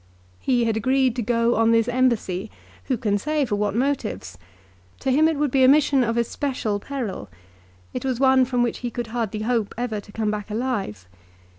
He had agreed to go on this embassy, who can say for what motives ? To him it would be a mission of especial peril. It was one from which he could hardly hope ever to come back alive.